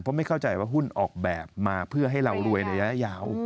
เพราะไม่เข้าใจว่าหุ้นออกแบบมาเพื่อให้เรารวยในระยะยาว